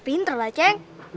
pintar lah cing